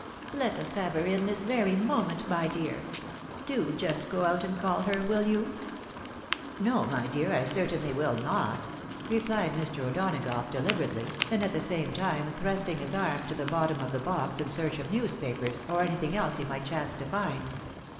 " Let us have her in this very nioment, my dear ! Do just go out and call her, will you ?"" No, my dear, I certainly wiU not," replied Mr. O'Dona gough, dehberately, and, at the same time thrusting his arm to the bottom of the box in search of newspapers, or anything else he might chance to find.